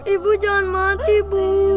ibu jangan mati bu